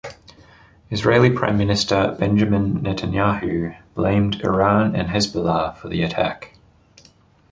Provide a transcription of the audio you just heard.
Israeli Prime Minister Benjamin Netanyahu blamed Iran and Hezbollah for the attack.